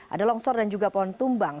ada longsor dan juga pohon tumbang